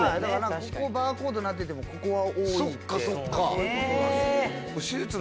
ここバーコードになっててもここは多いってそういうこと。